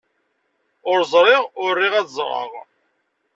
Ur ẓriɣ, ur riɣ ad ẓreɣ.